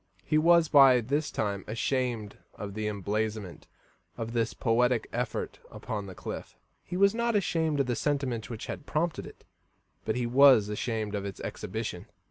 He was by this time ashamed of the emblazonment of his poetic effort upon the cliff. He was not ashamed of the sentiment which had prompted it, but he was ashamed of its exhibition.